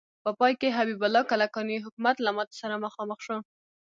په پای کې حبیب الله کلکاني حکومت له ماتې سره مخامخ شو.